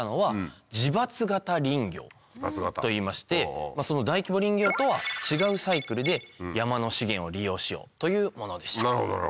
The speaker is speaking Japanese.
といいまして大規模林業とは違うサイクルで山の資源を利用しようというものでした。